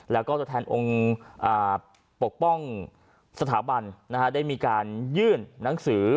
แล้วก็ตัวแทนองค์ปกป้องสถาบันได้มีการยื่นหนังสือ